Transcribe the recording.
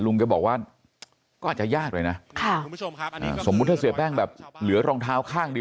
ก็บอกว่าก็อาจจะยากเลยนะสมมุติถ้าเสียแป้งแบบเหลือรองเท้าข้างเดียว